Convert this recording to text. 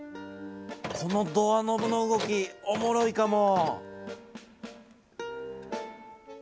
このドアノブの動きおもろいかも！